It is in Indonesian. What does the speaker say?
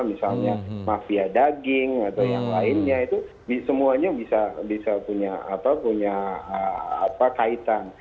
misalnya mafia daging atau yang lainnya itu semuanya bisa punya kaitan